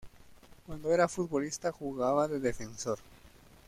Cuando era futbolista jugaba de defensor.